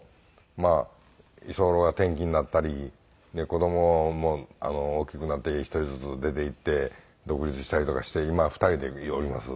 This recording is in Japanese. まあ居候が転勤になったり子供も大きくなって一人ずつ出て行って独立したりとかして今は２人でおります。